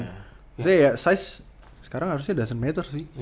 misalnya ya size sekarang harusnya doesn t matter sih